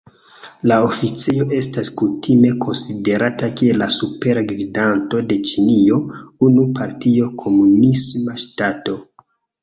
La oficejo estas kutime konsiderata kiel la Supera Gvidanto de Ĉinio, unu-partio komunisma ŝtato.